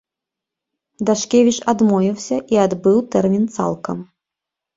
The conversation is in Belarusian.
Дашкевіч адмовіўся і адбыў тэрмін цалкам.